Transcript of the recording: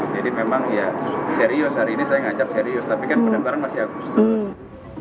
jadi memang serius hari ini saya ngajak serius tapi kan perdebaran masih agustus